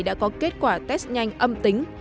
đã có kết quả test nhanh âm tính